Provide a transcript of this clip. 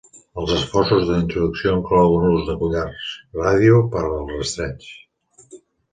Els esforços de reintroducció inclouen l'ús de collars ràdio per al rastreig.